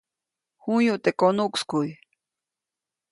J̃uyuʼt teʼ konuʼkskuʼy.